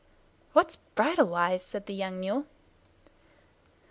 "What's bridle wise?" said the young mule.